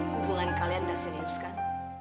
hubungan kalian tak serius kan